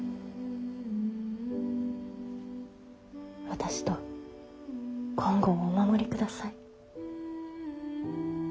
私と金剛をお守りください。